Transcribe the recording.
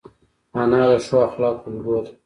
انا د ښو اخلاقو الګو ده